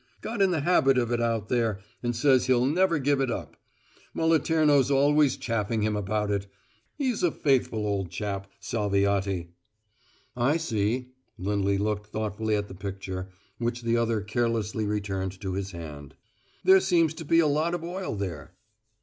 Got in the habit of it out there and says he'll never give it up. Moliterno's always chaffing him about it. He's a faithful old chap, Salviati." "I see." Lindley looked thoughtfully at the picture, which the other carelessly returned to his hand. "There seems to be a lot of oil there."